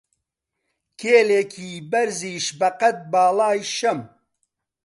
کیلێکی بەرزیش بە قەت باڵای شەم